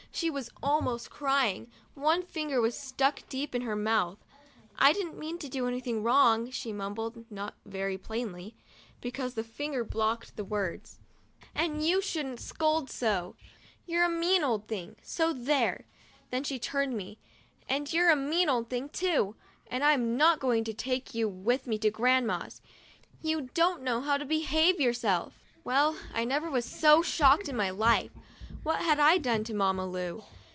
She was almost crying — one finger was stuck deep in her mouth. "I didn't mean to do any wrong," she mumbled, not very plainly, because the finger blocked 20 MY FIRST BATH the words, " and you shouldn't scold so. You're a mean old ing! So there!' Then she turned to me, "And you're a mean old thing too ! and I'm not going to take you with me to Grand ma's. You don't know how to behave yourself." Well, I never was so shocked in my life. What had I done to Mamma Lu?